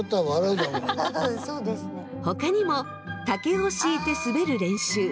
ほかにも竹を敷いて滑る練習。